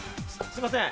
すいません